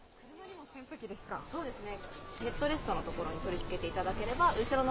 そうですね。